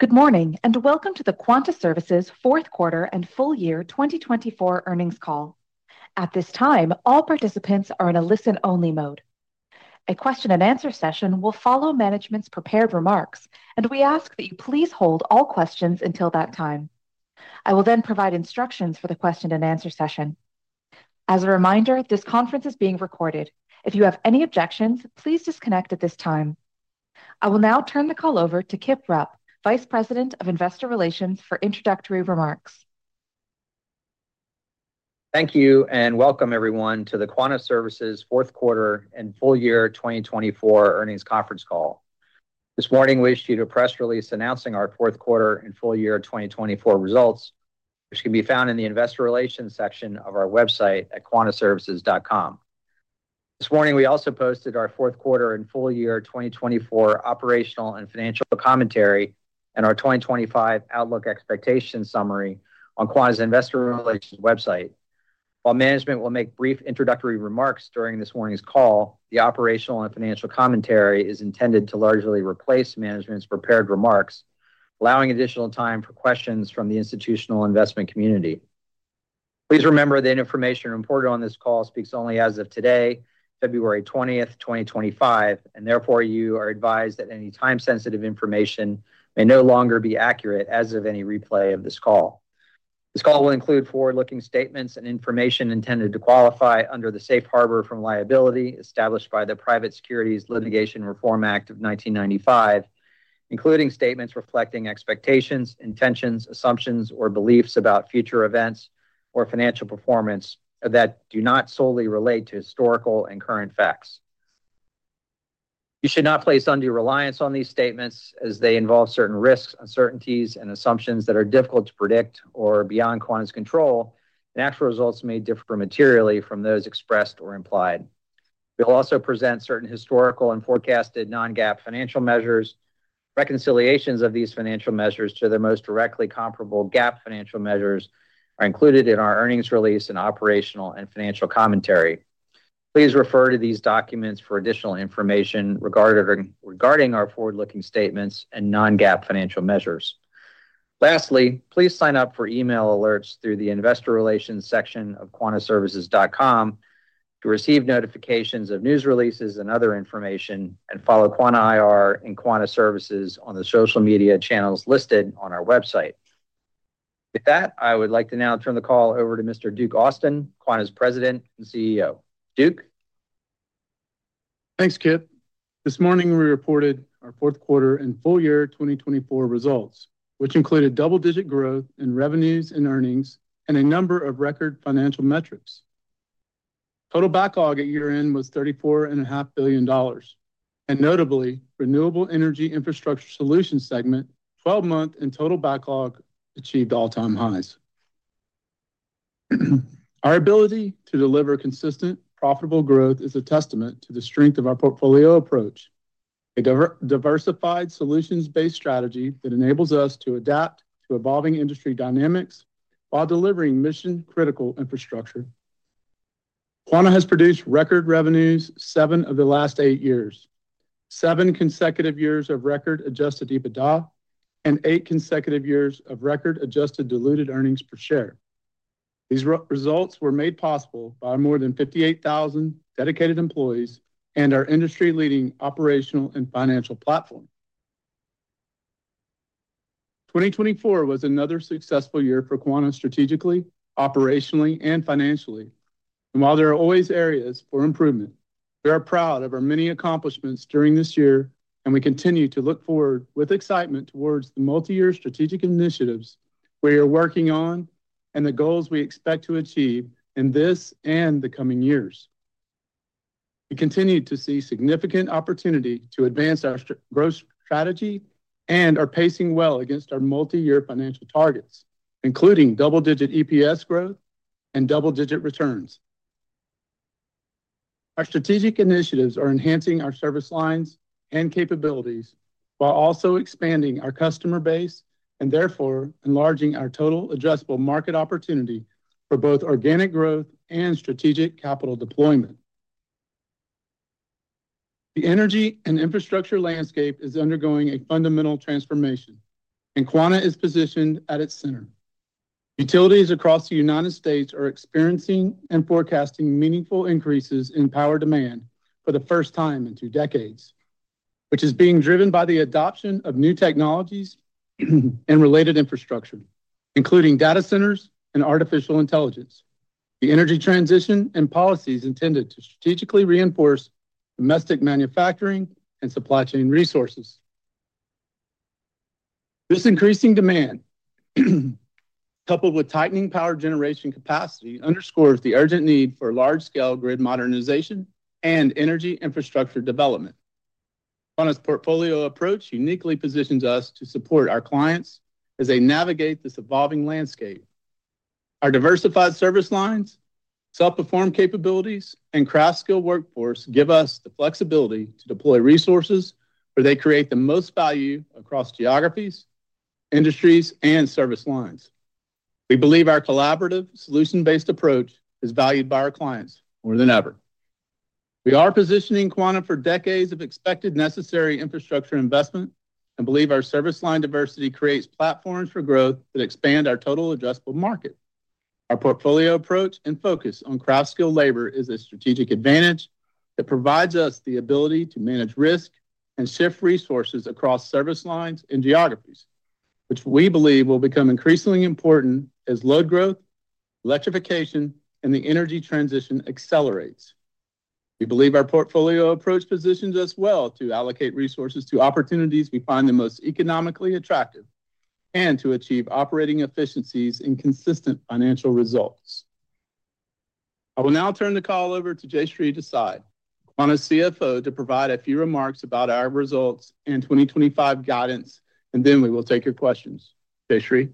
Good morning and welcome to the Quanta Services Q4 and FY 2024 Earnings Call. At this time, all participants are in a listen-only mode. A Q&A session will follow management's prepared remarks, and we ask that you please hold all questions until that time. I will then provide instructions for the Q&A session. As a reminder, this conference is being recorded. If you have any objections, please disconnect at this time. I will now turn the call over to Kip Rupp, Vice President of Investor Relations, for introductory remarks. Thank you and welcome, everyone, to the Quanta Services Q4 and FY 2024 earnings conference call. This morning, we issued a press release announcing our Q4 and FY 2024 results, which can be found in the Investor Relations section of our website at quantaservices.com. This morning, we also posted our Q4 and FY 2024 operational and financial commentary and our 2025 outlook expectation summary on Quanta's Investor Relations website. While management will make brief introductory remarks during this morning's call, the operational and financial commentary is intended to largely replace management's prepared remarks, allowing additional time for questions from the institutional investment community. Please remember that information reported on this call speaks only as of today, February 20, 2025, and therefore you are advised that any time-sensitive information may no longer be accurate as of any replay of this call. This call will include forward-looking statements and information intended to qualify under the safe harbor from liability established by the Private Securities Litigation Reform Act of 1995, including statements reflecting expectations, intentions, assumptions, or beliefs about future events or financial performance that do not solely relate to historical and current facts. You should not place undue reliance on these statements, as they involve certain risks, uncertainties, and assumptions that are difficult to predict or beyond Quanta's control, and actual results may differ materially from those expressed or implied. We will also present certain historical and forecasted non-GAAP financial measures. Reconciliations of these financial measures to their most directly comparable GAAP financial measures are included in our earnings release and operational and financial commentary. Please refer to these documents for additional information regarding our forward-looking statements and non-GAAP financial measures. Lastly, please sign up for email alerts through the Investor Relations section of quantaservices.com to receive notifications of news releases and other information, and follow Quanta IR and Quanta Services on the social media channels listed on our website. With that, I would like to now turn the call over to Mr. Duke Austin, Quanta's President and CEO. Duke. Thanks, Kip. This morning, we reported our Q4 and FY 2024 results, which included double-digit growth in revenues and earnings and a number of record financial metrics. Total backlog at year-end was $34.5 billion, and notably, Renewable Energy Infrastructure Solutions segment 12-month and total backlog achieved all-time highs. Our ability to deliver consistent, profitable growth is a testament to the strength of our portfolio approach, a diversified solutions-based strategy that enables us to adapt to evolving industry dynamics while delivering mission-critical infrastructure. Quanta has produced record revenues seven of the last eight years, seven consecutive years of record Adjusted EBITDA, and eight consecutive years of record Adjusted diluted earnings per share. These results were made possible by more than 58,000 dedicated employees and our industry-leading operational and financial platform. 2024 was another successful year for Quanta strategically, operationally, and financially, and while there are always areas for improvement, we are proud of our many accomplishments during this year, and we continue to look forward with excitement towards the multi-year strategic initiatives we are working on and the goals we expect to achieve in this and the coming years. We continue to see significant opportunity to advance our growth strategy and are pacing well against our multi-year financial targets, including double-digit EPS growth and double-digit returns. Our strategic initiatives are enhancing our service lines and capabilities while also expanding our customer base and therefore enlarging our total addressable market opportunity for both organic growth and strategic capital deployment. The energy and infrastructure landscape is undergoing a fundamental transformation, and Quanta is positioned at its center. Utilities across the United States are experiencing and forecasting meaningful increases in power demand for the first time in two decades, which is being driven by the adoption of new technologies and related infrastructure, including data centers and artificial intelligence, the energy transition, and policies intended to strategically reinforce domestic manufacturing and supply chain resources. This increasing demand, coupled with tightening power generation capacity, underscores the urgent need for large-scale grid modernization and energy infrastructure development. Quanta's portfolio approach uniquely positions us to support our clients as they navigate this evolving landscape. Our diversified service lines, self-perform capabilities, and craft-skilled workforce give us the flexibility to deploy resources where they create the most value across geographies, industries, and service lines. We believe our collaborative, solution-based approach is valued by our clients more than ever. We are positioning Quanta for decades of expected necessary infrastructure investment and believe our service line diversity creates platforms for growth that expand our total addressable market. Our portfolio approach and focus on craft-skilled labor is a strategic advantage that provides us the ability to manage risk and shift resources across service lines and geographies, which we believe will become increasingly important as load growth, electrification, and the energy transition accelerates. We believe our portfolio approach positions us well to allocate resources to opportunities we find the most economically attractive and to achieve operating efficiencies and consistent financial results. I will now turn the call over to Jayshree Desai, Quanta's CFO, to provide a few remarks about our results and 2025 guidance, and then we will take your questions. Jayshree.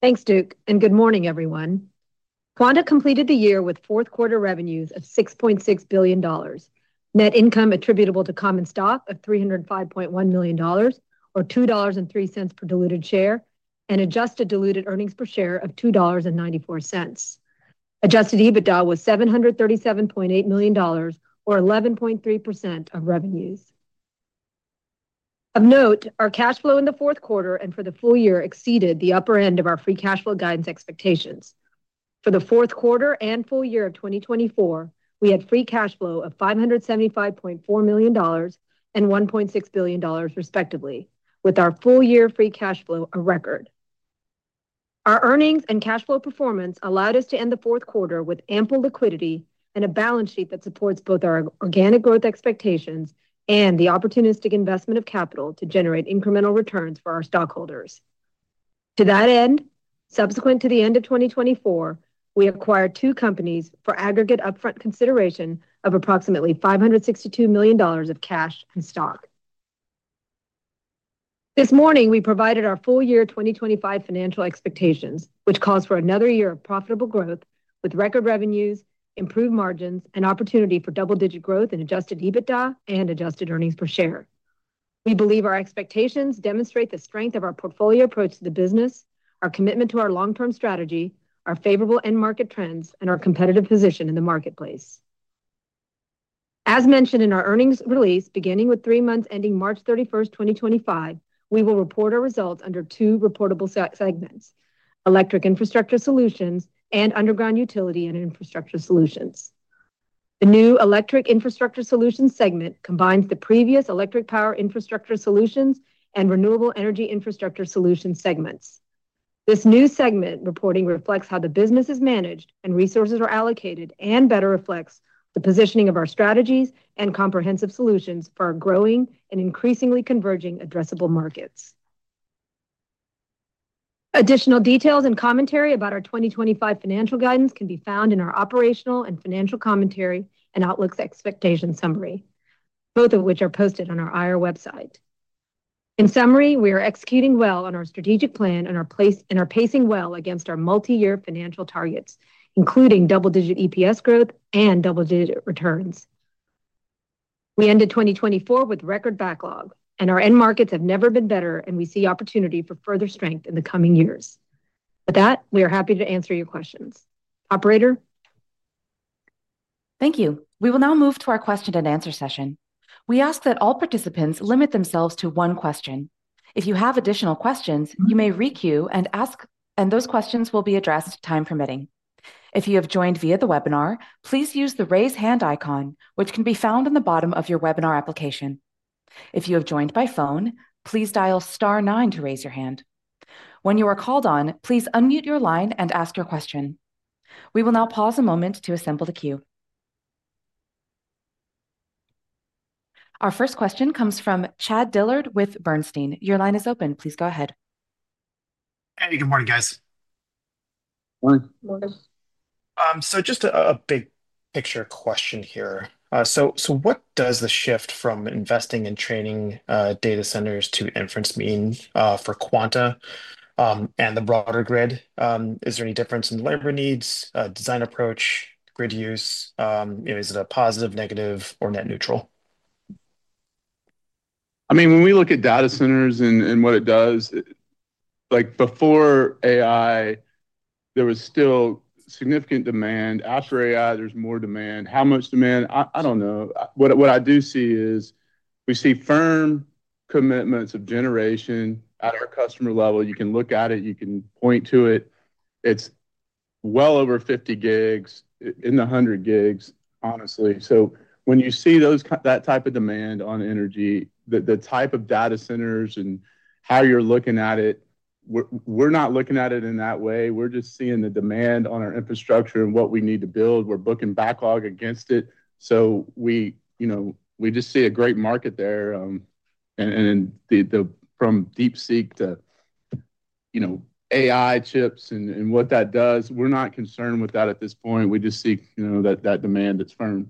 Thanks, Duke, and good morning, everyone. Quanta completed the year with Q4 revenues of $6.6 billion, net income attributable to common stock of $305.1 million, or $2.03 per diluted share, and adjusted diluted earnings per share of $2.94. Adjusted EBITDA was $737.8 million, or 11.3% of revenues. Of note, our cash flow in the Q4 and for the full year exceeded the upper end of our free cash flow guidance expectations. For the Q4 and full year of 2024, we had free cash flow of $575.4 million and $1.6 billion, respectively, with our full-year free cash flow a record. Our earnings and cash flow performance allowed us to end the Q4 with ample liquidity and a balance sheet that supports both our organic growth expectations and the opportunistic investment of capital to generate incremental returns for our stockholders. To that end, subsequent to the end of 2024, we acquired two companies for aggregate upfront consideration of approximately $562 million of cash and stock. This morning, we provided our full-year 2025 financial expectations, which calls for another year of profitable growth with record revenues, improved margins, and opportunity for double-digit growth in adjusted EBITDA and adjusted earnings per share. We believe our expectations demonstrate the strength of our portfolio approach to the business, our commitment to our long-term strategy, our favorable end-market trends, and our competitive position in the marketplace. As mentioned in our earnings release, beginning with three months ending March 31, 2025, we will report our results under two reportable segments: Electric Infrastructure Solutions and Underground Utility and Infrastructure Solutions. The new Electric Infrastructure Solutions segment combines the previous Electric Power Infrastructure Solutions and Renewable Energy Infrastructure Solutions segments. This new segment reporting reflects how the business is managed and resources are allocated and better reflects the positioning of our strategies and comprehensive solutions for our growing and increasingly converging addressable markets. Additional details and commentary about our 2025 financial guidance can be found in our Operational and Financial Commentary and Outlook's expectation summary, both of which are posted on our IR website. In summary, we are executing well on our strategic plan and are pacing well against our multi-year financial targets, including double-digit EPS growth and double-digit returns. We ended 2024 with record backlog, and our end markets have never been better, and we see opportunity for further strength in the coming years. With that, we are happy to answer your questions. Operator. Thank you. We will now move to our Q&A session. We ask that all participants limit themselves to one question. If you have additional questions, you may re-queue and ask, and those questions will be addressed time permitting. If you have joined via the webinar, please use the raise hand icon, which can be found in the bottom of your webinar application. If you have joined by phone, please dial star nine to raise your hand. When you are called on, please unmute your line and ask your question. We will now pause a moment to assemble the queue. Our first question comes from Chad Dillard with Bernstein. Your line is open. Please go ahead. Hey, good morning, guys. Morning. So just a big picture question here. So what does the shift from investing in training data centers to inference mean for Quanta and the broader grid? Is there any difference in labor needs, design approach, grid use? Is it a positive, negative, or net neutral? I mean, when we look at data centers and what it does, before AI, there was still significant demand. After AI, there's more demand. How much demand? I don't know. What I do see is we see firm commitments of generation at our customer level. You can look at it. You can point to it. It's well over 50 gigs in the 100 gigs, honestly. So when you see that type of demand on energy, the type of data centers and how you're looking at it, we're not looking at it in that way. We're just seeing the demand on our infrastructure and what we need to build. We're booking backlog against it. So we just see a great market there. And from DeepSeek to AI chips and what that does, we're not concerned with that at this point. We just see that demand that's firm.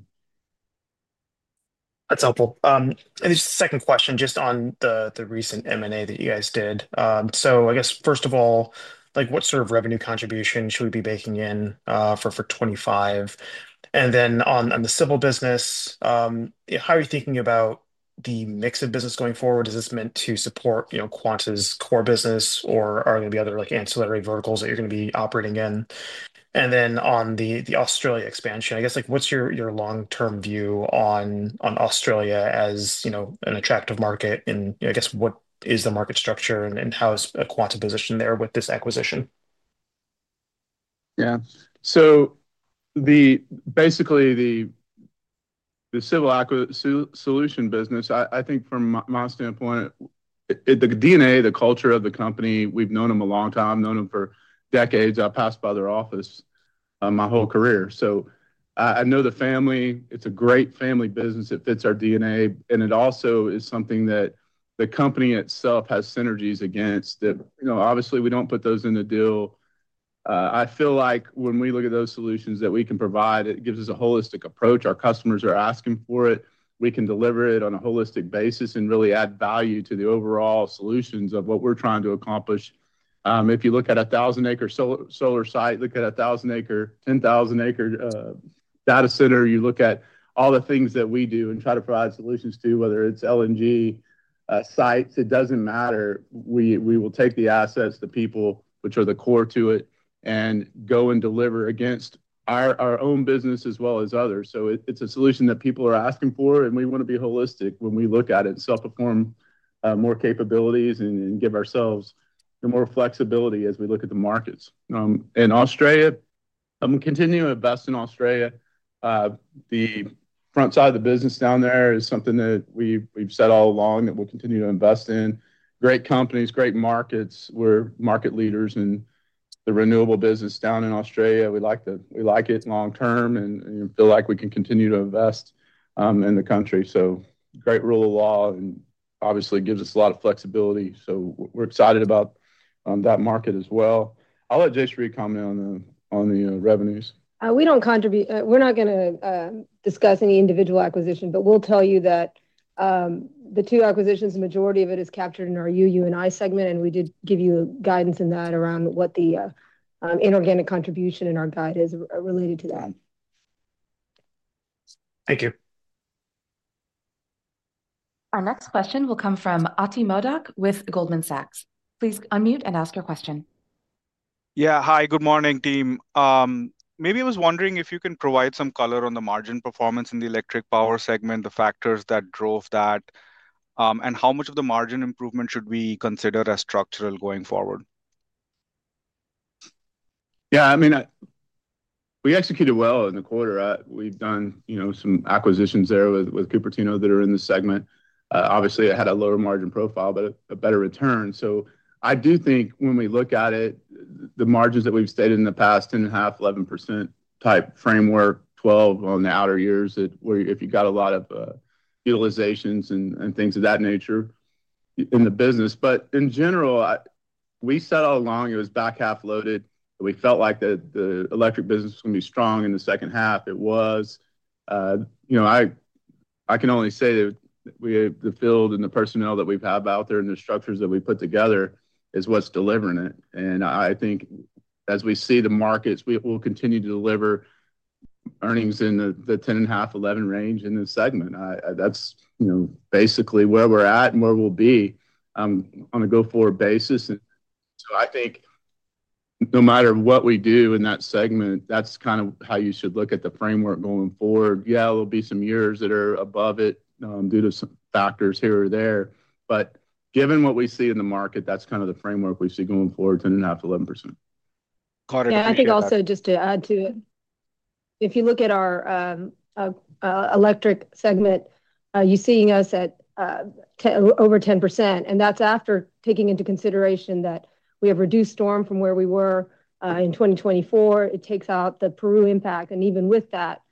That's helpful, and just a second question just on the recent M&A that you guys did. So I guess, first of all, what sort of revenue contribution should we be making in for 2025? And then on the civil business, how are you thinking about the mix of business going forward? Is this meant to support Quanta's core business, or are there going to be other ancillary verticals that you're going to be operating in, and then on the Australia expansion, I guess, what's your long-term view on Australia as an attractive market, and I guess, what is the market structure and how is Quanta positioned there with this acquisition? Yeah. So basically, the civil solutions business, I think from my standpoint, the DNA, the culture of the company, we've known them a long time. I've known them for decades. I've passed by their office my whole career. So I know the family. It's a great family business. It fits our DNA. And it also is something that the company itself has synergies against. Obviously, we don't put those in the deal. I feel like when we look at those solutions that we can provide, it gives us a holistic approach. Our customers are asking for it. We can deliver it on a holistic basis and really add value to the overall solutions of what we're trying to accomplish. If you look at a 1,000-acre solar site, look at a 1,000-acre, 10,000-acre data center, you look at all the things that we do and try to provide solutions to, whether it's LNG sites, it doesn't matter. We will take the assets, the people, which are the core to it, and go and deliver against our own business as well as others. So it's a solution that people are asking for, and we want to be holistic when we look at it and self-perform more capabilities and give ourselves more flexibility as we look at the markets. In Australia, we continue to invest in Australia. The front side of the business down there is something that we've said all along that we'll continue to invest in. Great companies, great markets. We're market leaders in the renewable business down in Australia.We like it long-term and feel like we can continue to invest in the country. So, great rule of law and obviously gives us a lot of flexibility. So, we're excited about that market as well. I'll let Jayshree comment on the revenues. We're not going to discuss any individual acquisition, but we'll tell you that the two acquisitions, the majority of it is captured in our U&I segment, and we did give you guidance in that around what the inorganic contribution in our guide is related to that. Thank you. Our next question will come from Ati Modak with Goldman Sachs. Please unmute and ask your question. Yeah. Hi, good morning, team. Maybe I was wondering if you can provide some color on the margin performance in the electric power segment, the factors that drove that, and how much of the margin improvement should we consider as structural going forward? Yeah. I mean, we executed well in the quarter. We've done some acquisitions there with Cupertino that are in the segment. Obviously, it had a lower margin profile, but a better return. So I do think when we look at it, the margins that we've stated in the past, 10.5%, 11% type framework, 12% on the outer years where if you've got a lot of utilizations and things of that nature in the business. But in general, we said all along it was back half loaded. We felt like the electric business was going to be strong in the second half. It was. I can only say that the field and the personnel that we've had out there and the structures that we put together is what's delivering it, and I think as we see the markets, we'll continue to deliver earnings in the 10.5%, 11% range in the segment. That's basically where we're at and where we'll be on a go-forward basis. And so I think no matter what we do in that segment, that's kind of how you should look at the framework going forward. Yeah, there'll be some years that are above it due to some factors here or there. But given what we see in the market, that's kind of the framework we see going forward, 10.5%-11%. Yeah. I think also just to add to it, if you look at our electric segment, you're seeing us at over 10%. And that's after taking into consideration that we have reduced storm from where we were in 2024. It takes out the Peru impact. And even with that,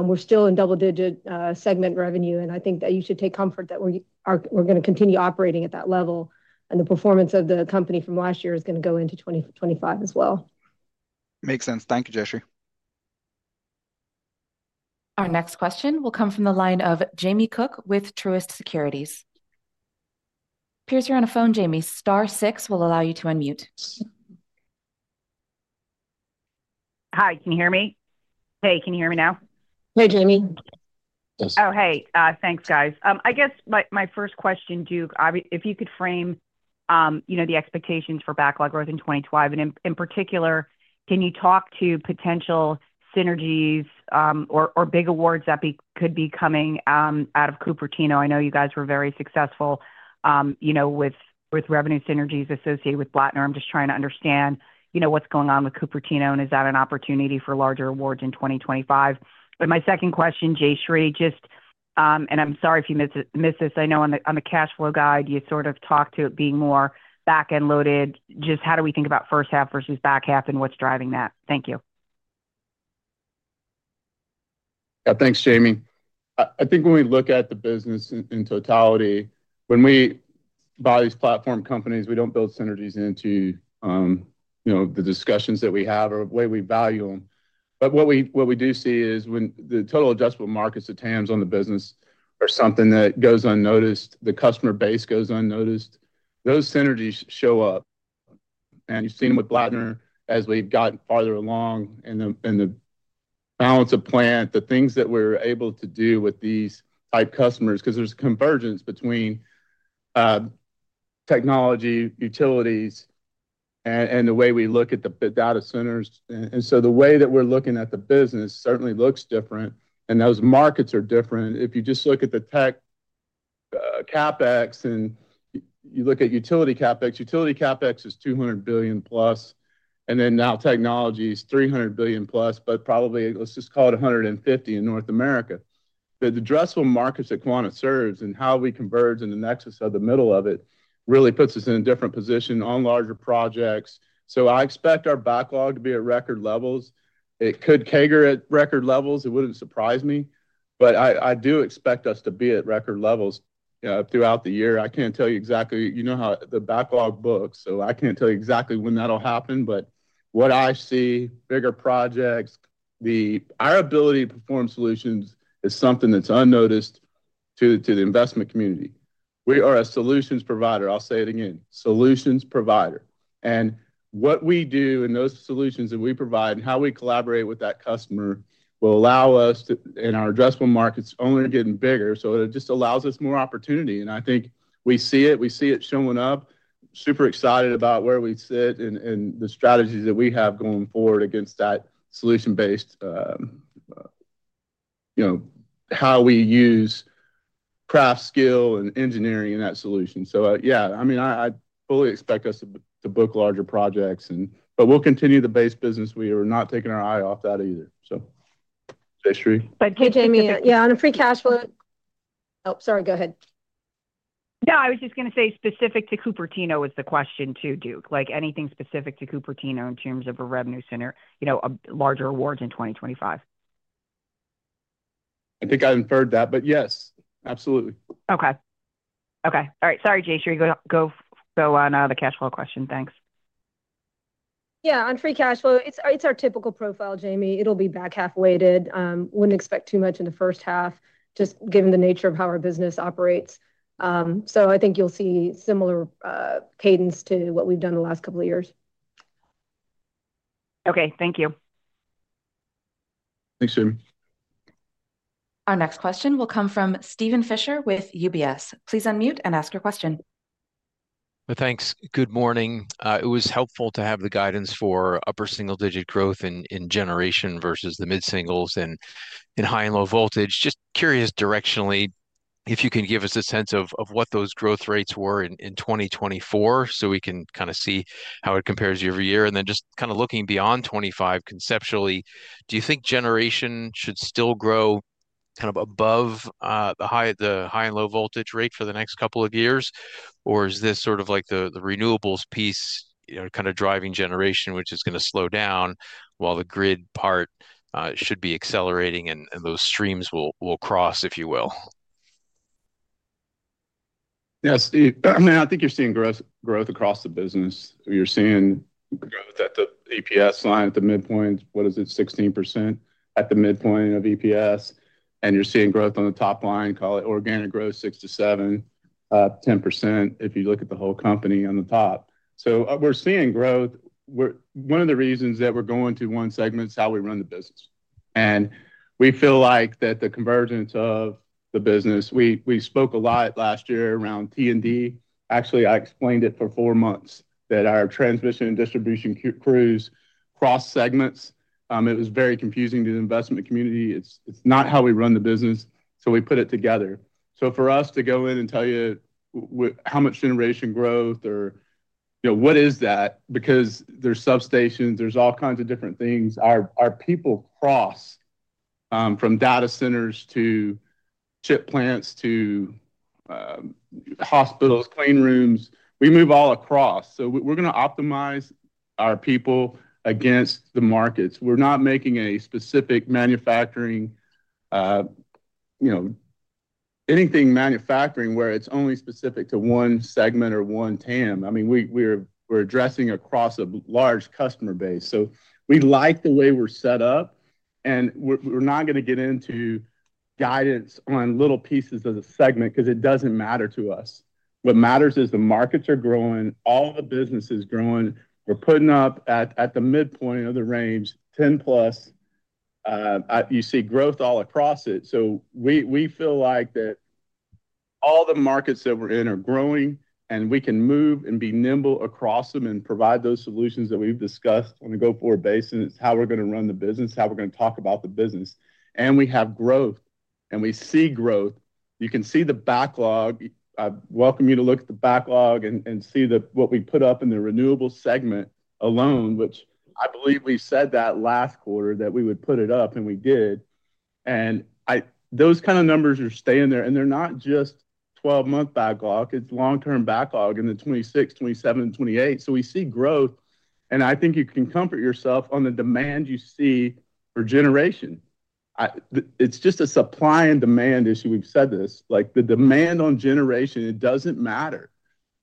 we're still in double-digit segment revenue. And I think that you should take comfort that we're going to continue operating at that level. And the performance of the company from last year is going to go into 2025 as well. Makes sense. Thank you, Jayshree. Our next question will come from the line of Jamie Cook with Truist Securities. Please are on the phone, Jamie. Star six will allow you to unmute. Hi. Can you hear me? Hey, can you hear me now? Hey, Jamie. Oh, hey. Thanks, guys. I guess my first question, Duke, if you could frame the expectations for backlog growth in 2025, and in particular, can you talk to potential synergies or big awards that could be coming out of Cupertino? I know you guys were very successful with revenue synergies associated with Blattner. I'm just trying to understand what's going on with Cupertino and is that an opportunity for larger awards in 2025, but my second question, Jayshree, just, and I'm sorry if you missed this, I know on the cash flow guide, you sort of talked to it being more back-end loaded. Just how do we think about first half versus back half and what's driving that? Thank you. Yeah. Thanks, Jamie. I think when we look at the business in totality, when we buy these platform companies, we don't build synergies into the discussions that we have or the way we value them. But what we do see is when the total adjustable markets at TAMS on the business are something that goes unnoticed, the customer base goes unnoticed, those synergies show up. And you've seen them with Blattner as we've gotten farther along in the balance of plant, the things that we're able to do with these type customers, because there's convergence between technology, utilities, and the way we look at the data centers. And so the way that we're looking at the business certainly looks different, and those markets are different. If you just look at the tech CapEx and you look at utility CapEx, utility CapEx is $200 billion plus, and then now technology is $300 billion plus, but probably let's just call it $150 billion in North America. The addressable markets that Quanta serves and how we converge in the nexus of the middle of it really puts us in a different position on larger projects. So I expect our backlog to be at record levels. It could CAGR at record levels. It wouldn't surprise me. But I do expect us to be at record levels throughout the year. I can't tell you exactly—you know how the backlog books, so I can't tell you exactly when that'll happen. But what I see, bigger projects, our ability to perform solutions is something that's unnoticed to the investment community. We are a solutions provider. I'll say it again, solutions provider. And what we do and those solutions that we provide and how we collaborate with that customer will allow us to, and our addressable markets only are getting bigger. So it just allows us more opportunity. And I think we see it. We see it showing up. Super excited about where we sit and the strategies that we have going forward against that solution-based, how we use craft skill and engineering in that solution. So yeah, I mean, I fully expect us to book larger projects, but we'll continue the base business. We are not taking our eye off that either. So Jayshree. But hey, Jamie. Yeah, on a free cash flow, oh, sorry, go ahead. Yeah, I was just going to say specific to Cupertino is the question too, Duke. Anything specific to Cupertino in terms of a revenue center, larger awards in 2025? I think I inferred that, but yes, absolutely. Okay. Okay. All right. Sorry, Jayshree. Go on the cash flow question. Thanks. Yeah. On free cash flow, it's our typical profile, Jamie. It'll be back half weighted. Wouldn't expect too much in the first half, just given the nature of how our business operates. So I think you'll see similar cadence to what we've done the last couple of years. Okay. Thank you. Thanks, Jamie. Our next question will come from Steven Fisher with UBS. Please unmute and ask your question. Thanks. Good morning. It was helpful to have the guidance for upper single-digit growth in generation versus the mid-singles and in high and low voltage. Just curious directionally, if you can give us a sense of what those growth rates were in 2024 so we can kind of see how it compares year over year. And then just kind of looking beyond 2025, conceptually, do you think generation should still grow kind of above the high and low voltage rate for the next couple of years? Or is this sort of like the renewables piece kind of driving generation, which is going to slow down while the grid part should be accelerating and those streams will cross, if you will? Yes. I mean, I think you're seeing growth across the business. You're seeing growth at the EPS line at the midpoint. What is it? 16% at the midpoint of EPS. And you're seeing growth on the top line, call it organic growth, 6-7%, 10% if you look at the whole company on the top. So we're seeing growth. One of the reasons that we're going to one segment is how we run the business. And we feel like that the convergence of the business. We spoke a lot last year around T&D. Actually, I explained it for four months that our transmission and distribution crews cross segments. It was very confusing to the investment community. It's not how we run the business. So we put it together. So for us to go in and tell you how much generation growth or what is that, because there's substations, there's all kinds of different things. Our people cross from data centers to chip plants to hospitals, clean rooms. We move all across. So we're going to optimize our people against the markets. We're not making a specific manufacturing, anything manufacturing where it's only specific to one segment or one TAM. I mean, we're addressing across a large customer base. So we like the way we're set up. And we're not going to get into guidance on little pieces of the segment because it doesn't matter to us. What matters is the markets are growing. All the business is growing. We're putting up at the midpoint of the range, 10 plus. You see growth all across it. So, we feel like that all the markets that we're in are growing, and we can move and be nimble across them and provide those solutions that we've discussed on a go-forward basis. It's how we're going to run the business, how we're going to talk about the business. And we have growth, and we see growth. You can see the backlog. I welcome you to look at the backlog and see what we put up in the renewable segment alone, which I believe we said that last quarter that we would put it up, and we did. And those kind of numbers are staying there. And they're not just 12-month backlog. It's long-term backlog in the 2026, 2027, and 2028. So we see growth. And I think you can comfort yourself on the demand you see for generation. It's just a supply and demand issue. We've said this. The demand on generation, it doesn't matter.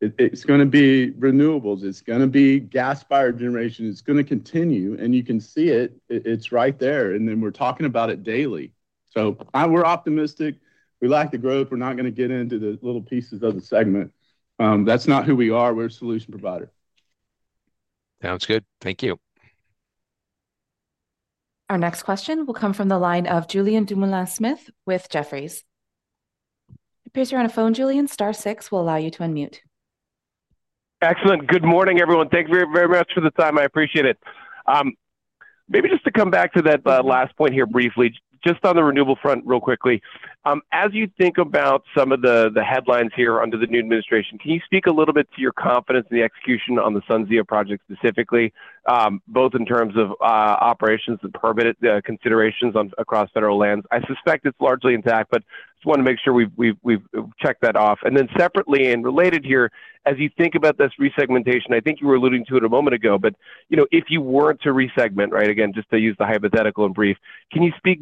It's going to be renewables. It's going to be gas-fired generation. It's going to continue. And you can see it. It's right there. And then we're talking about it daily. So we're optimistic. We like the growth. We're not going to get into the little pieces of the segment. That's not who we are. We're a solution provider. Sounds good. Thank you. Our next question will come from the line of Julien Dumoulin-Smith with Jefferies. Please, Julian. Star six will allow you to unmute. Excellent. Good morning, everyone. Thank you very much for the time. I appreciate it. Maybe just to come back to that last point here briefly, just on the renewable front real quickly. As you think about some of the headlines here under the new administration, can you speak a little bit to your confidence in the execution on the SunZia project specifically, both in terms of operations and permit considerations across federal lands? I suspect it's largely intact, but I just want to make sure we've checked that off. And then separately and related here, as you think about this resegmentation, I think you were alluding to it a moment ago, but if you were to resegment, right, again, just to use the hypothetical and brief, can you speak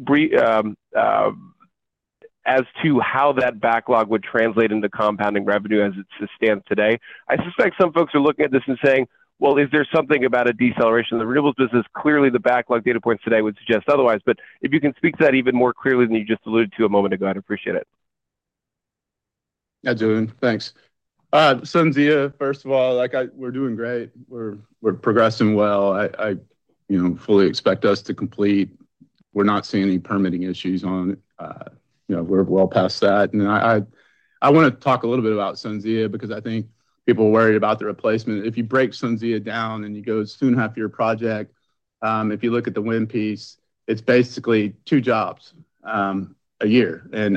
as to how that backlog would translate into compounding revenue as it stands today? I suspect some folks are looking at this and saying, "Well, is there something about a deceleration of the renewables business?" Clearly, the backlog data points today would suggest otherwise. But if you can speak to that even more clearly than you just alluded to a moment ago, I'd appreciate it. Yeah, Julien. Thanks. SunZia, first of all, we're doing great. We're progressing well. I fully expect us to complete. We're not seeing any permitting issues on it. We're well past that. And I want to talk a little bit about SunZia because I think people are worried about the replacement. If you break SunZia down and you go two and a half-year project, if you look at the wind piece, it's basically two jobs a year. And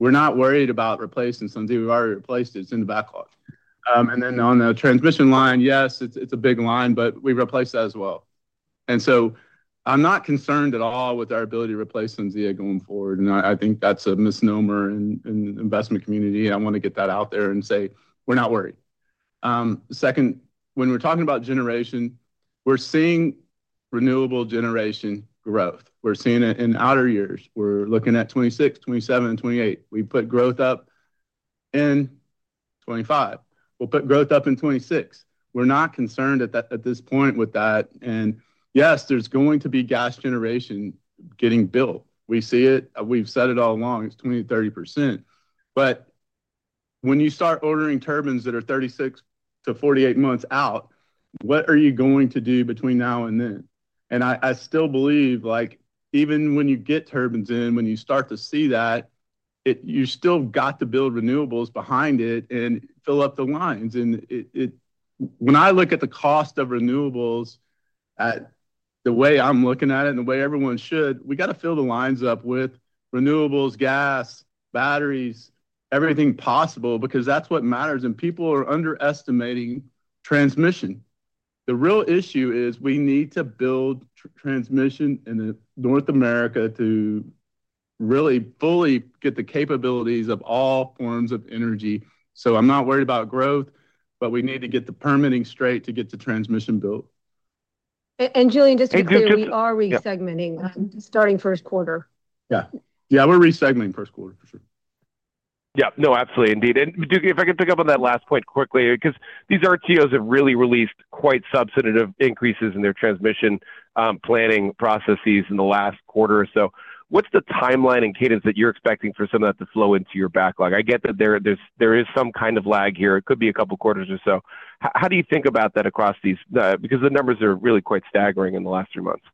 we're not worried about replacing SunZia. We've already replaced it. It's in the backlog. And then on the transmission line, yes, it's a big line, but we replace that as well. And so I'm not concerned at all with our ability to replace SunZia going forward. And I think that's a misnomer in the investment community. I want to get that out there and say we're not worried. Second, when we're talking about generation, we're seeing renewable generation growth. We're seeing it in outer years. We're looking at 2026, 2027, and 2028. We put growth up in 2025. We'll put growth up in 2026. We're not concerned at this point with that. And yes, there's going to be gas generation getting built. We see it. We've said it all along. It's 20%-30%. But when you start ordering turbines that are 36-48 months out, what are you going to do between now and then? And I still believe even when you get turbines in, when you start to see that, you've still got to build renewables behind it and fill up the lines. And when I look at the cost of renewables at the way I'm looking at it and the way everyone should, we got to fill the lines up with renewables, gas, batteries, everything possible because that's what matters. And people are underestimating transmission. The real issue is we need to build transmission in North America to really fully get the capabilities of all forms of energy. So I'm not worried about growth, but we need to get the permitting straight to get the transmission built. Julien, just to be clear, we are resegmenting starting Q1. Yeah. Yeah, we're resegmenting Q1, for sure. Yeah. No, absolutely. Indeed, and if I can pick up on that last point quickly, because these RTOs have really released quite substantive increases in their transmission planning processes in the last quarter or so. What's the timeline and cadence that you're expecting for some of that to flow into your backlog? I get that there is some kind of lag here. It could be a couple of quarters or so. How do you think about that across these? Because the numbers are really quite staggering in the last three months.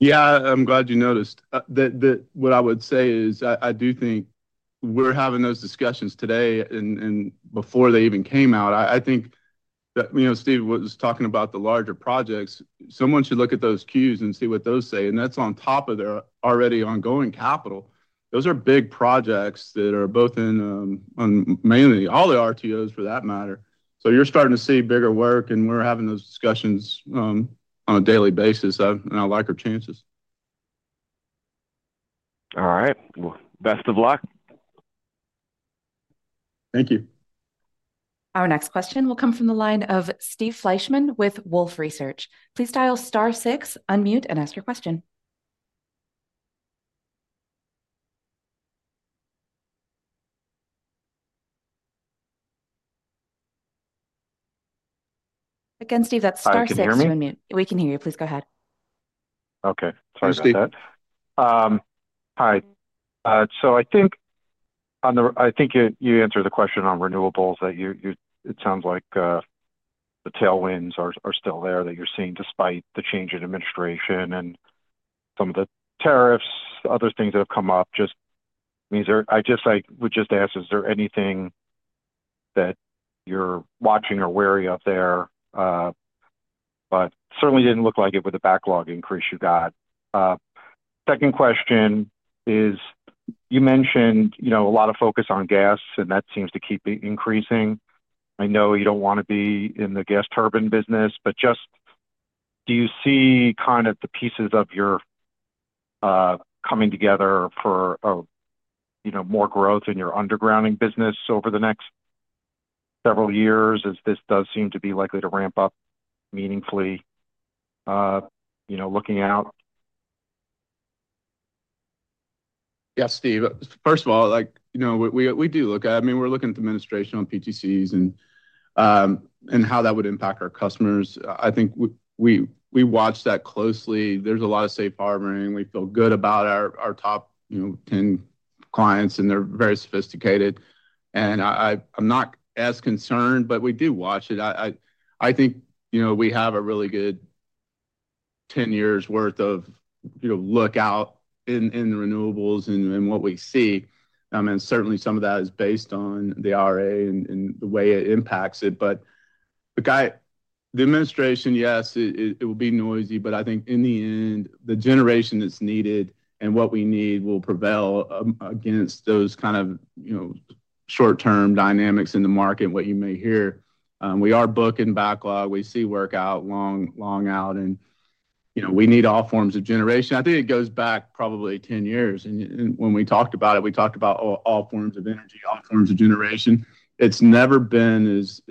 Yeah, I'm glad you noticed. What I would say is I do think we're having those discussions today and before they even came out. I think, Steve was talking about the larger projects. Someone should look at those queues and see what those say. And that's on top of their already ongoing capital. Those are big projects that are both in mainly all the RTOs, for that matter. So you're starting to see bigger work, and we're having those discussions on a daily basis, and I like our chances. All right, well, best of luck. Thank you. Our next question will come from the line of Steve Fleischmann with Wolfe Research. Please dial star six, unmute, and ask your question. Again, Steve, that's star six to unmute. We can hear you. Please go ahead. Okay. Sorry about that. Steve. Hi. So I think you answered the question on renewables that it sounds like the tailwinds are still there that you're seeing despite the change in administration and some of the tariffs, other things that have come up. Just, I would just ask, is there anything that you're watching or wary of there? But certainly didn't look like it with the backlog increase you got. Second question is you mentioned a lot of focus on gas, and that seems to keep increasing. I know you don't want to be in the gas turbine business, but just do you see kind of the pieces of your coming together for more growth in your undergrounding business over the next several years as this does seem to be likely to ramp up meaningfully looking out? Yes, Steve. First of all, we do look at it. I mean, we're looking at the administration on PTCs and how that would impact our customers. I think we watch that closely. There's a lot of safe harboring. We feel good about our top 10 clients, and they're very sophisticated. And I'm not as concerned, but we do watch it. I think we have a really good 10 years' worth of lookout in the renewables and what we see. And certainly, some of that is based on the RA and the way it impacts it. But the administration, yes, it will be noisy, but I think in the end, the generation that's needed and what we need will prevail against those kind of short-term dynamics in the market, what you may hear. We are booking backlog. We see work out long out. And we need all forms of generation. I think it goes back probably 10 years. And when we talked about it, we talked about all forms of energy, all forms of generation. It's never been as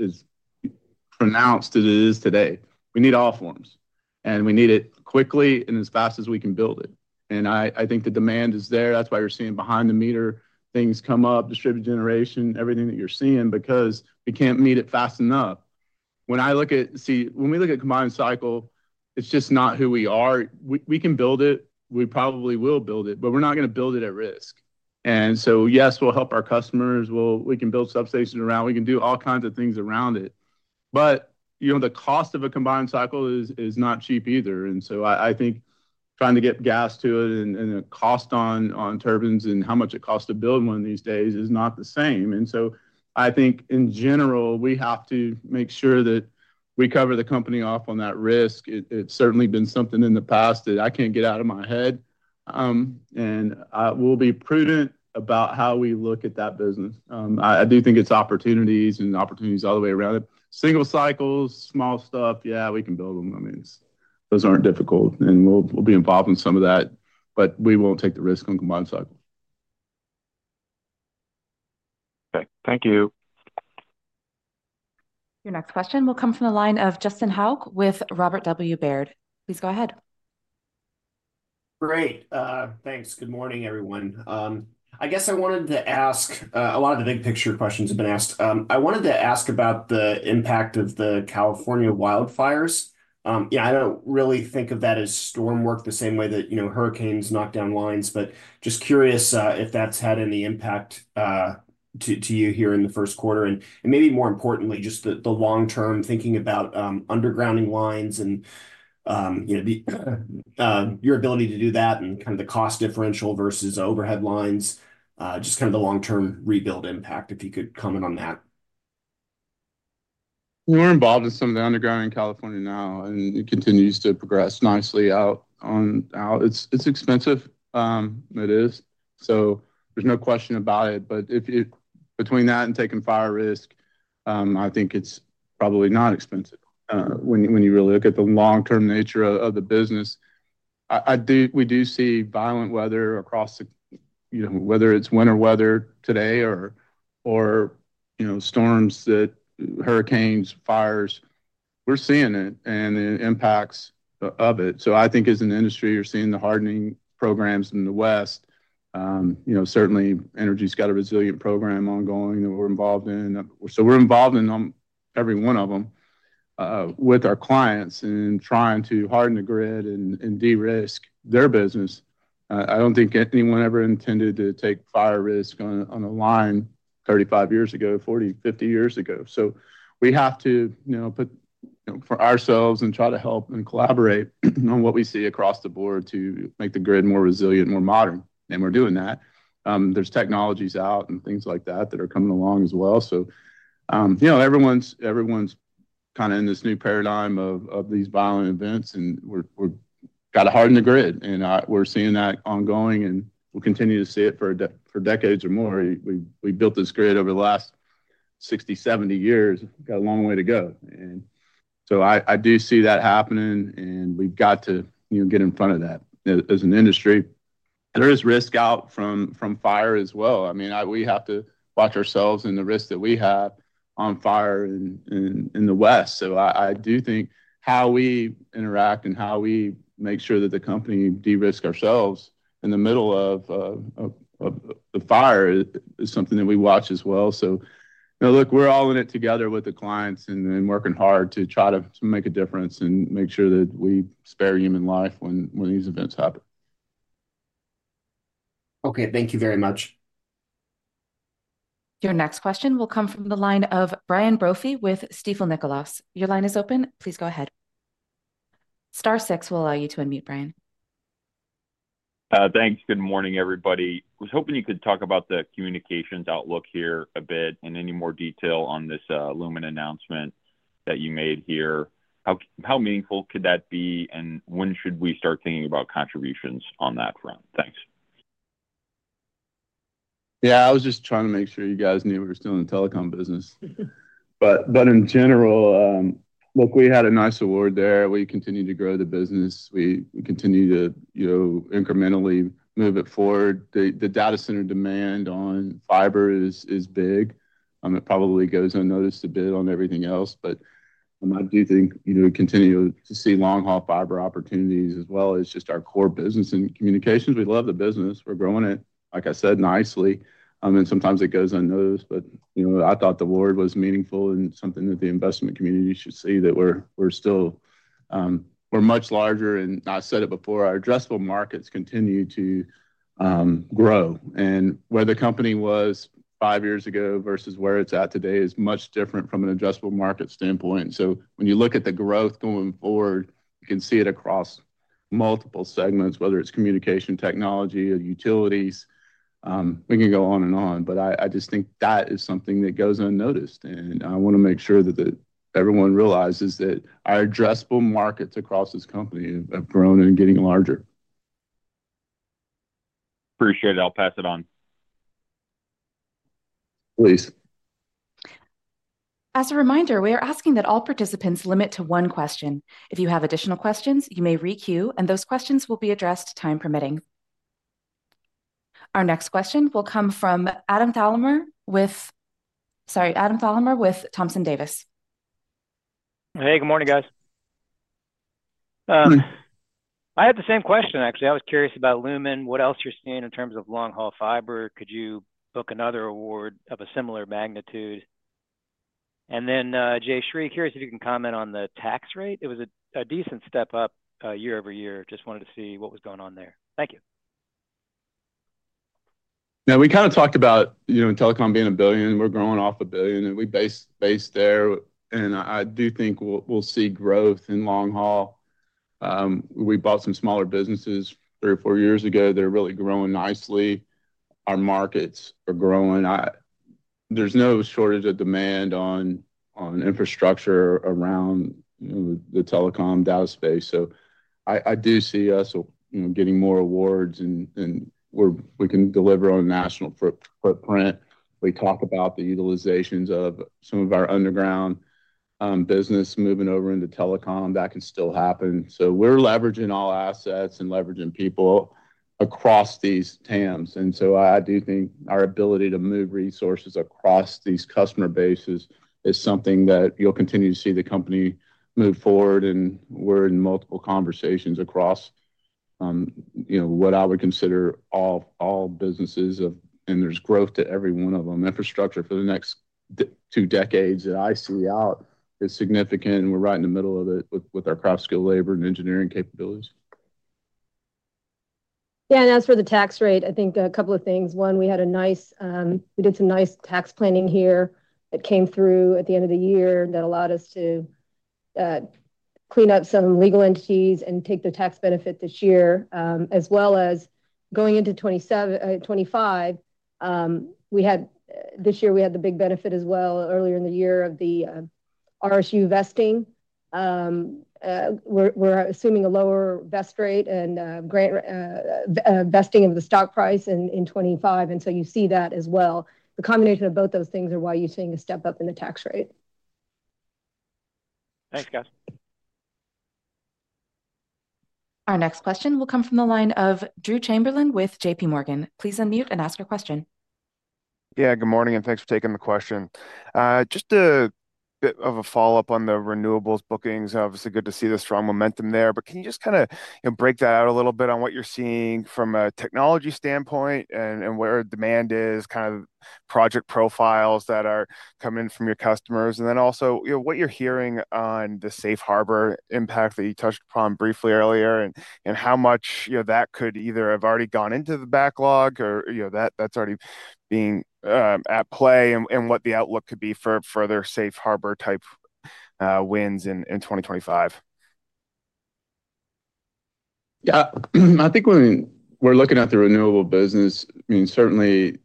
pronounced as it is today. We need all forms. And we need it quickly and as fast as we can build it. And I think the demand is there. That's why you're seeing behind the meter things come up, distributed generation, everything that you're seeing because we can't meet it fast enough. When we look at combined cycle, it's just not who we are. We can build it. We probably will build it, but we're not going to build it at risk. And so, yes, we'll help our customers. We can build substations around. We can do all kinds of things around it. But the cost of a combined cycle is not cheap either. And so I think trying to get gas to it and the cost on turbines and how much it costs to build one these days is not the same. And so I think, in general, we have to make sure that we cover the company off on that risk. It's certainly been something in the past that I can't get out of my head. And we'll be prudent about how we look at that business. I do think it's opportunities and opportunities all the way around it. Single cycles, small stuff, yeah, we can build them. I mean, those aren't difficult. And we'll be involved in some of that, but we won't take the risk on combined cycle. Okay. Thank you. Your next question will come from the line of Justin Hauke with Robert W. Baird. Please go ahead. Great. Thanks. Good morning, everyone. I guess a lot of the big picture questions have been asked. I wanted to ask about the impact of the California wildfires. Yeah, I don't really think of that as storm work, the same way that hurricanes knock down lines, but just curious if that's had any impact to you here in the Q1. And maybe more importantly, just the long-term thinking about undergrounding lines and your ability to do that and kind of the cost differential versus overhead lines, just kind of the long-term rebuild impact, if you could comment on that. We're involved in some of the undergrounding in California now, and it continues to progress nicely out. It's expensive. It is. So there's no question about it. But between that and taking fire risk, I think it's probably not expensive when you really look at the long-term nature of the business. We do see violent weather across the board whether it's winter weather today or storms, hurricanes, fires. We're seeing it and the impacts of it. So I think as an industry, you're seeing the hardening programs in the west. Certainly, PG&E's got a resilient program ongoing that we're involved in. So we're involved in every one of them with our clients and trying to harden the grid and de-risk their business. I don't think anyone ever intended to take fire risk on a line 35 years ago, 40, 50 years ago. We have to put for ourselves and try to help and collaborate on what we see across the board to make the grid more resilient, more modern. We're doing that. There's technologies out and things like that that are coming along as well. Everyone's kind of in this new paradigm of these violent events, and we've got to harden the grid. We're seeing that ongoing, and we'll continue to see it for decades or more. We built this grid over the last 60, 70 years. We've got a long way to go. I do see that happening, and we've got to get in front of that. As an industry, there is risk out from fire as well. I mean, we have to watch ourselves and the risks that we have on fire in the West. So I do think how we interact and how we make sure that the company de-risk ourselves in the middle of the fire is something that we watch as well. So look, we're all in it together with the clients and working hard to try to make a difference and make sure that we spare human life when these events happen. Okay. Thank you very much. Your next question will come from the line of Brian Brophy with Stifel Nicolaus. Your line is open. Please go ahead. Star Six will allow you to unmute, Brian. Thanks. Good morning, everybody. I was hoping you could talk about the communications outlook here a bit in any more detail on this Lumen announcement that you made here. How meaningful could that be, and when should we start thinking about contributions on that front? Thanks. Yeah, I was just trying to make sure you guys knew we were still in the telecom business, but in general, look, we had a nice award there. We continue to grow the business. We continue to incrementally move it forward. The data center demand on fiber is big. It probably goes unnoticed a bit on everything else, but I do think we continue to see long-haul fiber opportunities as well as just our core business and communications. We love the business. We're growing it, like I said, nicely, and sometimes it goes unnoticed, but I thought the word was meaningful and something that the investment community should see that we're still much larger, and I said it before, our addressable markets continue to grow, and where the company was five years ago versus where it's at today is much different from an addressable market standpoint. So when you look at the growth going forward, you can see it across multiple segments, whether it's communication technology or utilities. We can go on and on. But I just think that is something that goes unnoticed. And I want to make sure that everyone realizes that our addressable markets across this company have grown and getting larger. Appreciate it. I'll pass it on. Please. As a reminder, we are asking that all participants limit to one question. If you have additional questions, you may re-queue, and those questions will be addressed time permitting. Our next question will come from Adam Thalhimer with Thompson Davis. Hey, good morning, guys. I had the same question, actually. I was curious about Lumen, what else you're seeing in terms of long-haul fiber. Could you book another award of a similar magnitude? And then Jayshree, curious if you can comment on the tax rate. It was a decent step up year over year. Just wanted to see what was going on there. Thank you. Yeah, we kind of talked about telecom being $1 billion. We're growing off a $1 billion, and we base there. And I do think we'll see growth in long-haul. We bought some smaller businesses three or four years ago. They're really growing nicely. Our markets are growing. There's no shortage of demand on infrastructure around the telecom data space. So I do see us getting more awards, and we can deliver on national footprint. We talk about the utilizations of some of our underground business moving over into telecom. That can still happen. So we're leveraging all assets and leveraging people across these TAMs. And so I do think our ability to move resources across these customer bases is something that you'll continue to see the company move forward. And we're in multiple conversations across what I would consider all businesses, and there's growth to every one of them. Infrastructure for the next two decades that I see out is significant, and we're right in the middle of it with our craft skilled labor and engineering capabilities. Yeah, and as for the tax rate, I think a couple of things. One, we did some nice tax planning here that came through at the end of the year that allowed us to clean up some legal entities and take the tax benefit this year. As well as going into 2025, this year we had the big benefit as well earlier in the year of the RSU vesting. We're assuming a lower vest rate and vesting of the stock price in 2025. So you see that as well. The combination of both those things are why you're seeing a step up in the tax rate. Thanks, guys. Our next question will come from the line of Drew Chamberlain with JPMorgan. Please unmute and ask your question. Yeah, good morning, and thanks for taking the question. Just a bit of a follow-up on the renewables bookings. Obviously, good to see the strong momentum there. But can you just kind of break that out a little bit on what you're seeing from a technology standpoint and where demand is, kind of project profiles that are coming in from your customers? And then also what you're hearing on the safe harbor impact that you touched upon briefly earlier and how much that could either have already gone into the backlog or that's already being at play and what the outlook could be for further safe harbor-type wins in 2025? Yeah. I think when we're looking at the renewable business, I mean, certainly,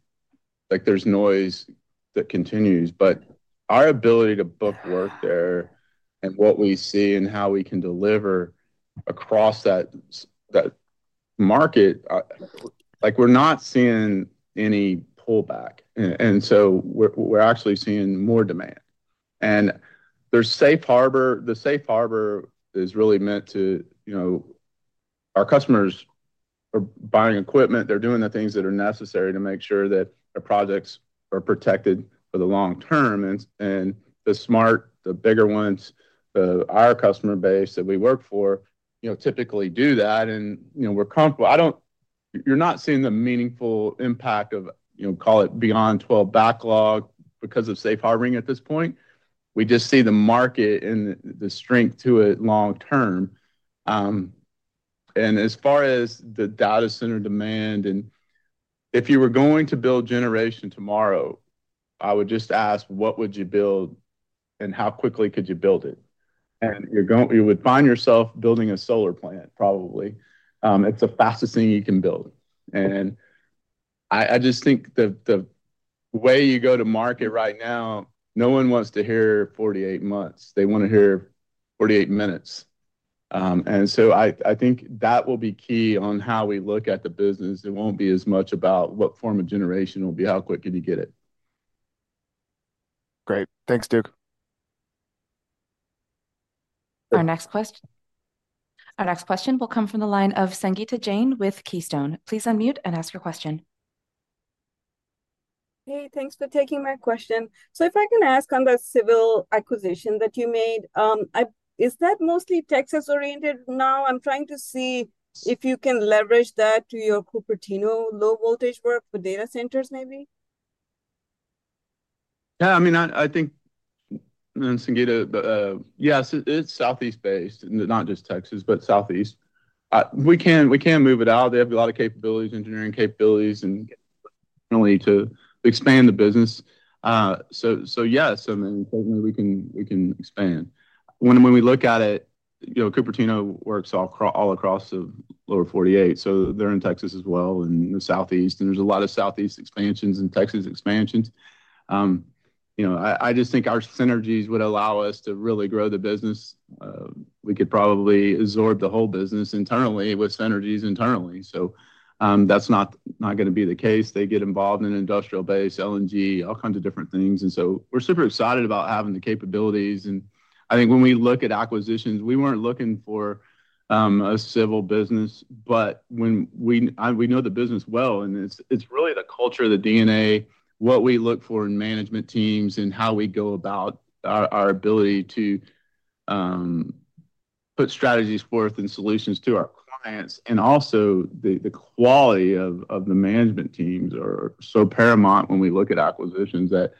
there's noise that continues. But our ability to book work there and what we see and how we can deliver across that market, we're not seeing any pullback. And so we're actually seeing more demand. And the safe harbor is really meant to our customers are buying equipment. They're doing the things that are necessary to make sure that our projects are protected for the long term. And the smart, the bigger ones, our customer base that we work for typically do that, and we're comfortable. You're not seeing the meaningful impact of, call it, beyond 12 backlog because of safe harboring at this point. We just see the market and the strength to it long term. And as far as the data center demand, if you were going to build generation tomorrow, I would just ask, what would you build and how quickly could you build it? And you would find yourself building a solar plant, probably. It's the fastest thing you can build. And I just think the way you go to market right now, no one wants to hear 48 months. They want to hear 48 minutes. And so I think that will be key on how we look at the business. It won't be as much about what form of generation will be how quick can you get it. Great. Thanks, Duke. Our next question. Our next question will come from the line of Sangita Jain with Keystone. Please unmute and ask your question. Hey, thanks for taking my question. So if I can ask on the civil acquisition that you made, is that mostly Texas-oriented now? I'm trying to see if you can leverage that to your Cupertino low-voltage work for data centers, maybe. Yeah. I mean, I think, Sangita, yes, it's Southeast-based, not just Texas, but Southeast. We can move it out. They have a lot of capabilities, engineering capabilities, and definitely to expand the business. So yes, I mean, certainly, we can expand. When we look at it, Cupertino works all across the lower 48. So they're in Texas as well in the Southeast, and there's a lot of Southeast expansions and Texas expansions. I just think our synergies would allow us to really grow the business. We could probably absorb the whole business internally with synergies internally. So that's not going to be the case. They get involved in industrial-based LNG, all kinds of different things. And so we're super excited about having the capabilities. I think when we look at acquisitions, we weren't looking for a civil business, but we know the business well, and it's really the culture, the DNA, what we look for in management teams and how we go about our ability to put strategies forth and solutions to our clients. And also, the quality of the management teams are so paramount when we look at acquisitions that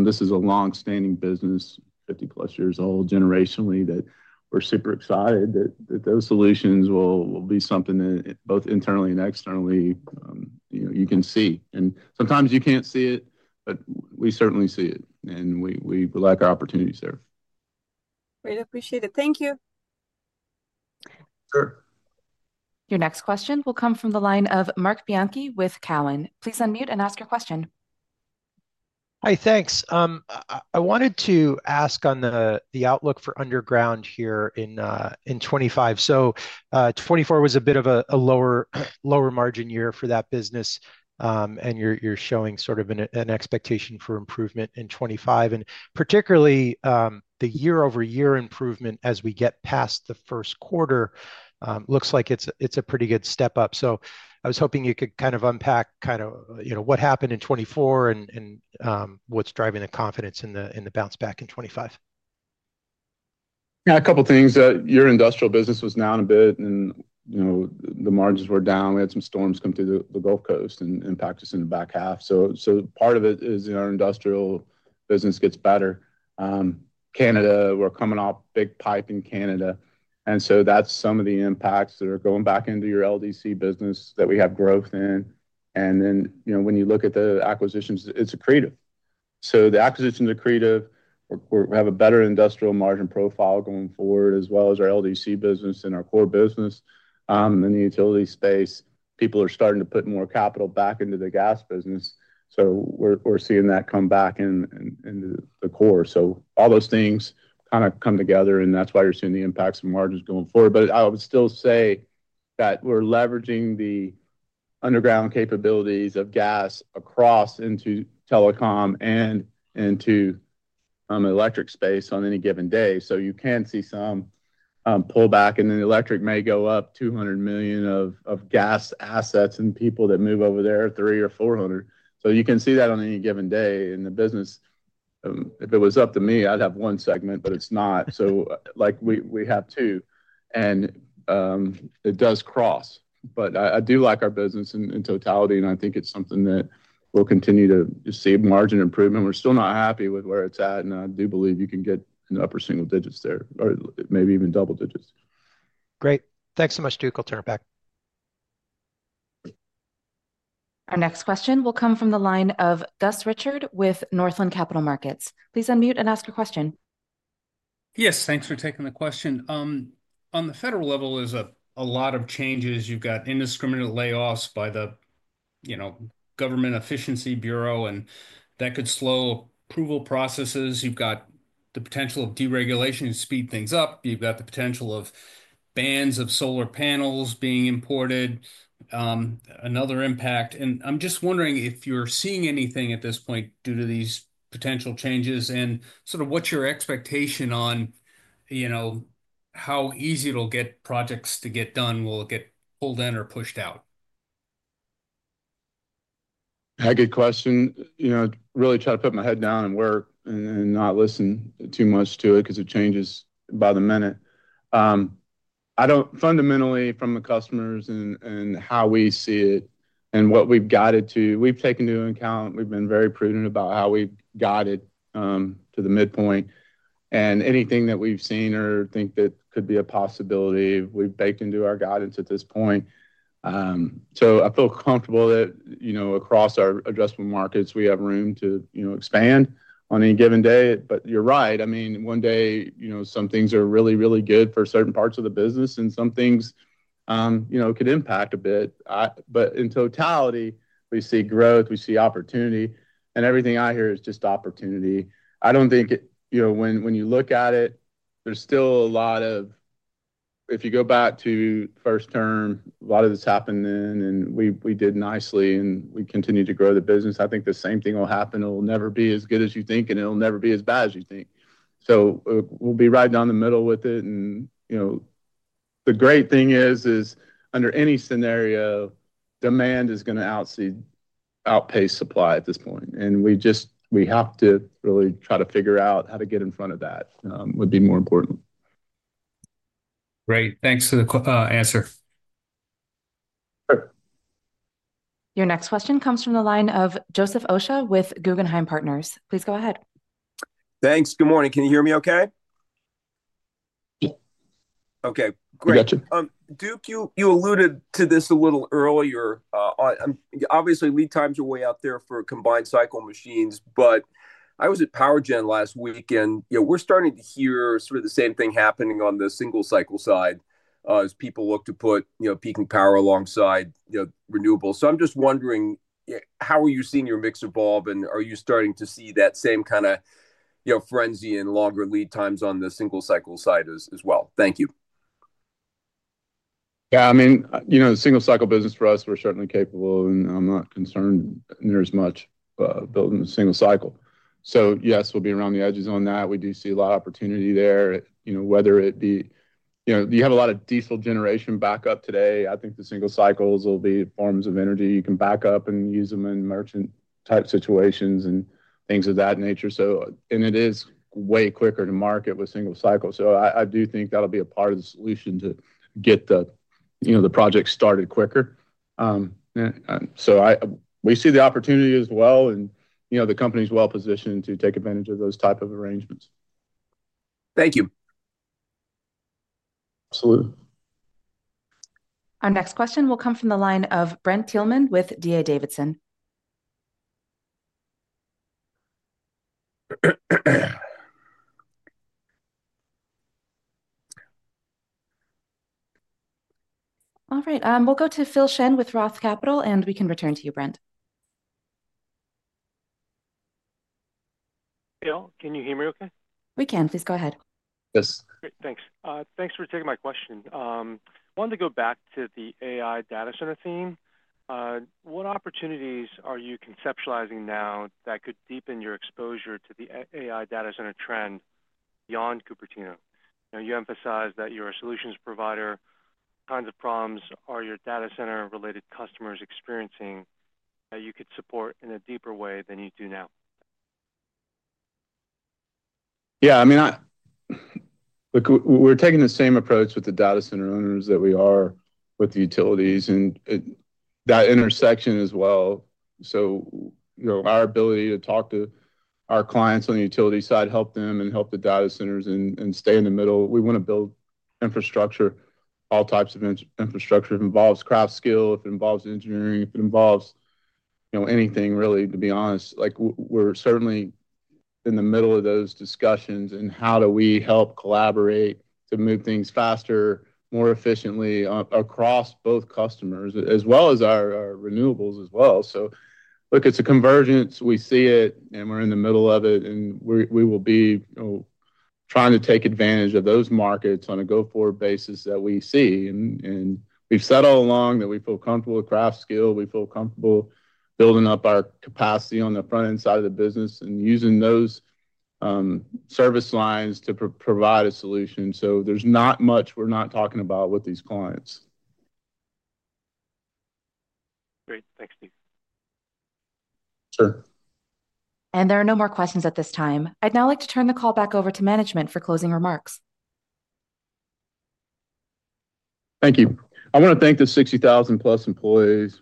this is a long-standing business, 50-plus years old generationally, that we're super excited that those solutions will be something that both internally and externally you can see. And sometimes you can't see it, but we certainly see it, and we would like our opportunities there. Great. Appreciate it. Thank you. Sure. Your next question will come from the line of Marc Bianchi with Cowen. Please unmute and ask your question. Hi, thanks. I wanted to ask on the outlook for underground here in 2025. So 2024 was a bit of a lower margin year for that business, and you're showing sort of an expectation for improvement in 2025. And particularly, the year-over-year improvement as we get past the Q1 looks like it's a pretty good step up. So I was hoping you could kind of unpack kind of what happened in 2024 and what's driving the confidence in the bounce back in 2025. Yeah, a couple of things. Your industrial business was down a bit, and the margins were down. We had some storms come through the Gulf Coast and impact us in the back half. So part of it is our industrial business gets better. Canada, we're coming off big pipe in Canada. And so that's some of the impacts that are going back into your LDC business that we have growth in. And then when you look at the acquisitions, it's accretive. So the acquisitions are accretive. We have a better industrial margin profile going forward, as well as our LDC business and our core business. In the utility space, people are starting to put more capital back into the gas business. So we're seeing that come back into the core. So all those things kind of come together, and that's why you're seeing the impacts of margins going forward. But I would still say that we're leveraging the underground capabilities of gas across into telecom and into electric space on any given day. So you can see some pullback, and then electric may go up $200 million of gas assets and people that move over there 300 or 400. So you can see that on any given day in the business. If it was up to me, I'd have one segment, but it's not. So we have two, and it does cross. But I do like our business in totality, and I think it's something that we'll continue to see margin improvement. We're still not happy with where it's at, and I do believe you can get an upper single digits there or maybe even double digits. Great. Thanks so much, Duke. I'll turn it back. Our next question will come from the line of Gus Richard with Northland Capital Markets. Please unmute and ask your question. Yes, thanks for taking the question. On the federal level, there's a lot of changes. You've got indiscriminate layoffs by the Government Efficiency Bureau, and that could slow approval processes. You've got the potential of deregulation to speed things up. You've got the potential of bans of solar panels being imported, another impact. And I'm just wondering if you're seeing anything at this point due to these potential changes and sort of what's your expectation on how easy it'll get projects to get done will get pulled in or pushed out? I had a good question. Really try to put my head down and not listen too much to it because it changes by the minute. Fundamentally, from the customers and how we see it and what we've got it to, we've taken into account. We've been very prudent about how we've got it to the midpoint. And anything that we've seen or think that could be a possibility, we've baked into our guidance at this point. So I feel comfortable that across our addressable markets, we have room to expand on any given day. But you're right. I mean, one day, some things are really, really good for certain parts of the business, and some things could impact a bit. But in totality, we see growth. We see opportunity. And everything I hear is just opportunity. I don't think when you look at it, there's still a lot. If you go back to first term, a lot of this happened then, and we did nicely, and we continue to grow the business. I think the same thing will happen. It'll never be as good as you think, and it'll never be as bad as you think, so we'll be right down the middle with it, and the great thing is, under any scenario, demand is going to outpace supply at this point, and we have to really try to figure out how to get in front of that would be more important. Great. Thanks for the answer. Sure. Your next question comes from the line of Joseph Osha with Guggenheim Partners. Please go ahead. Thanks. Good morning. Can you hear me okay? Yes. Okay. Great. You got you. Duke, you alluded to this a little earlier. Obviously, lead times are way out there for combined cycle machines, but I was at POWERGEN last week, and we're starting to hear sort of the same thing happening on the single cycle side as people look to put peaking power alongside renewables. So I'm just wondering, how are you seeing your mix evolve, and are you starting to see that same kind of frenzy and longer lead times on the single cycle side as well? Thank you. Yeah. I mean, the single cycle business for us, we're certainly capable, and I'm not concerned near as much building the single cycle. So yes, we'll be around the edges on that. We do see a lot of opportunity there, whether it be you have a lot of diesel generation backup today. I think the single cycles will be forms of energy. You can back up and use them in merchant-type situations and things of that nature. And it is way quicker to market with single cycle. So I do think that'll be a part of the solution to get the project started quicker. So we see the opportunity as well, and the company's well-positioned to take advantage of those type of arrangements. Thank you. Absolutely. Our next question will come from the line of Brent Thielman with D.A. Davidson. All right. We'll go to Phil Shen with Roth Capital, and we can return to you, Brent. Phil? Can you hear me okay? We can. Please go ahead. Yes. Great. Thanks. Thanks for taking my question. I wanted to go back to the AI data center theme. What opportunities are you conceptualizing now that could deepen your exposure to the AI data center trend beyond Cupertino? You emphasized that you're a solutions provider. What kinds of problems are your data center-related customers experiencing that you could support in a deeper way than you do now? Yeah. I mean, we're taking the same approach with the data center owners that we are with the utilities and that intersection as well. So our ability to talk to our clients on the utility side, help them and help the data centers and stay in the middle. We want to build infrastructure, all types of infrastructure. It involves craft skill. If it involves engineering, if it involves anything, really, to be honest, we're certainly in the middle of those discussions and how do we help collaborate to move things faster, more efficiently across both customers as well as our renewables as well. So look, it's a convergence. We see it, and we're in the middle of it, and we will be trying to take advantage of those markets on a go-forward basis that we see. And we've said all along that we feel comfortable with craft skill. We feel comfortable building up our capacity on the front end side of the business and using those service lines to provide a solution. So there's not much we're not talking about with these clients. Great. Thanks, Steve. Sure. There are no more questions at this time. I'd now like to turn the call back over to management for closing remarks. Thank you. I want to thank the 60,000-plus employees.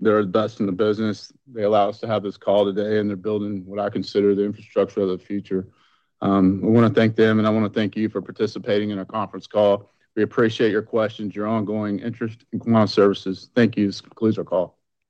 They're the best in the business. They allow us to have this call today, and they're building what I consider the infrastructure of the future. I want to thank them, and I want to thank you for participating in our conference call. We appreciate your questions, your ongoing interest, and Quanta services. Thank you. This concludes our call.